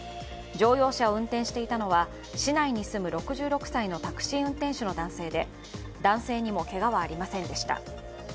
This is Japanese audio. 乗用車を運転していたのは市内に住む６６歳のタクシー運転手の男性で男性にもけがはありませんでした。